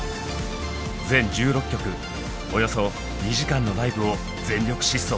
全１６曲およそ２時間のライブを全力疾走。